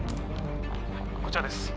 こちらです